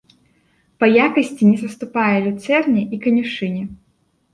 Па якасці не саступае люцэрне і канюшыне.